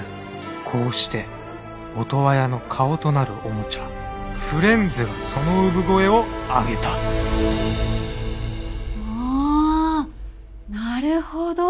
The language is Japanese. こうしてオトワヤの顔となるおもちゃフレンズがその産声を上げたおなるほど。